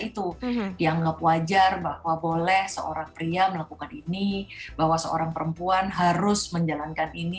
itu dianggap wajar bahwa boleh seorang pria melakukan ini bahwa seorang perempuan harus menjalankan ini